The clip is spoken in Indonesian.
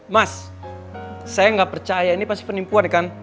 mas saya nggak percaya ini pasti penipuan kan